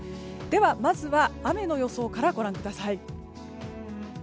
では、まずは雨の予想からご覧ください。